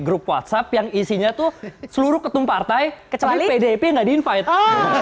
grup whatsapp yang isinya tuh seluruh ketumpar tai kecuali pdp nggak diinvite